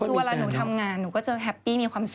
คือเวลาหนูทำงานหนูก็จะแฮปปี้มีความสุข